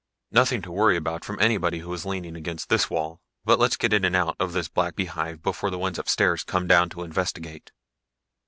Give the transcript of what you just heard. "Nothing to worry about from anybody who was leaning against this wall. But let's get in and out of this black beehive before the ones upstairs come down to investigate."